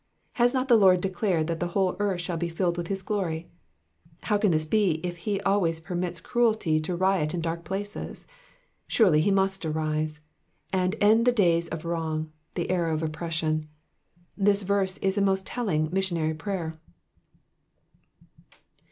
Has not the Lord declared that the whole earth shall be filled with his glory ? How can this be if he always permits cruelty to riot in dark places ? Surely, he must arise, and end the days of wrong, the era of oppression. This verse is a most telling missionary prayer.